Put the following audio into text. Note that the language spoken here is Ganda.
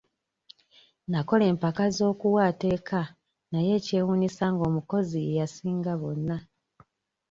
Nakola empaka z'okuwata eka naye kyewuunyisa ng'omukozi ye yasinga bonna.